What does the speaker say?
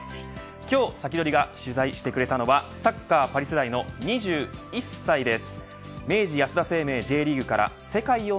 今日先取りが取材してくれたのはサッカーパリオリンピック世代の２１歳です。